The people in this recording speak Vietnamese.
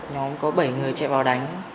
nhóm có bảy người chạy vào đánh